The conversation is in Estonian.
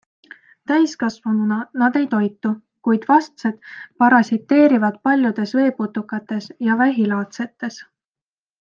Täiskasvanuna nad ei toitu, kuid vastsed parasiteerivad paljudes veeputukates ja vähilaadsetes.